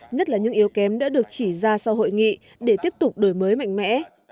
nhất là những yếu kém đã được chỉ ra sau hội nghị để tiếp tục đổi mới mạnh mẽ